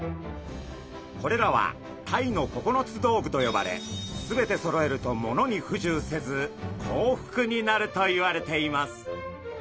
これらはタイの９つ道具と呼ばれ全てそろえると物に不自由せず幸福になるといわれています。